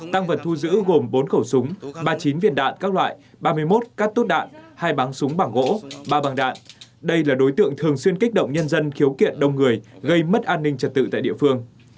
tăng vật thu giữ gồm bốn khẩu súng ba mươi chín viên đạn các loại ba mươi một cát tốt đạn hai bắn súng bằng gỗ ba bằng đạn đây là đối tượng thường xuyên kích động nhân dân khiếu kiện đông người gây mất an ninh trật tự tại địa phương